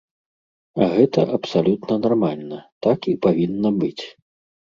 А гэта абсалютна нармальна, так і павінна быць.